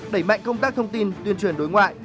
đẩy mạnh công tác thông tin tuyên truyền đối ngoại